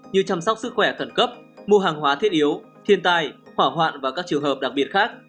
như chăm sóc sức khỏe khẩn cấp mua hàng hóa thiết yếu thiên tai hỏa hoạn và các trường hợp đặc biệt khác